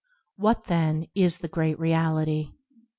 What, then, is the Great Reality